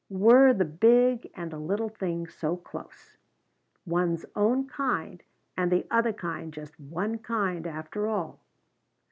Were the big and the little things so close? One's own kind and the other kind just one kind, after all?